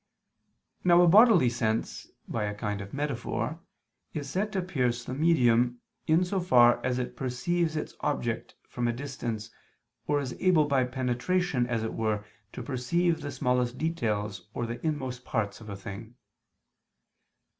Now a bodily sense, by a kind of metaphor, is said to pierce the medium, in so far as it perceives its object from a distance or is able by penetration as it were to perceive the smallest details or the inmost parts of a thing.